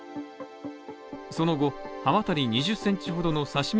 その後、刃渡り２０センチほどの刺身